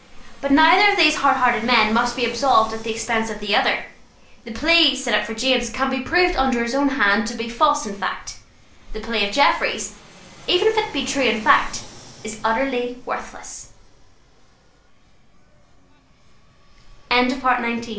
But neither of these hardhearted men must be absolved at the expense of the other. The plea set up for James can be proved under his own hand to be false in fact. The plea of Jeffreys, even if it be true in fact, is utterl